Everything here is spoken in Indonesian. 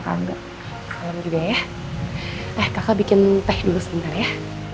kakak salam juga ya eh kakak bikin teh dulu sebentar ya